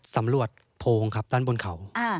สำรวจโพงครับด้านบนเขา